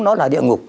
nó là địa ngục